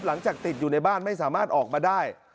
หลังจากติดอยู่ในบ้านไม่สามารถออกมาได้